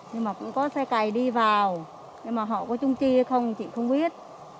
nhưng mà cũng có xe cày đi vào nhưng mà họ có chung chi hay không chị không biết